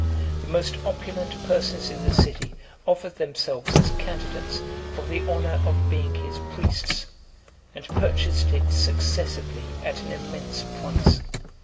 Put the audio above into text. The most opulent persons in the city offered themselves as candidates for the honour of being his priests, and purchased it successively at an immense price.